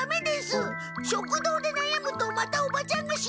食堂でなやむとまたおばちゃんが心配しますから。